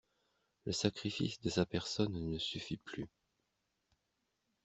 Le sacrifice de sa personne ne suffit plus.